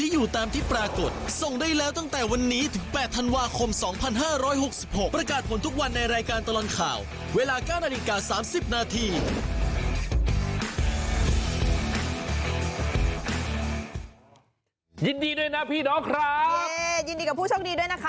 ยินดีกับผู้ช่องดีด้วยนะคะ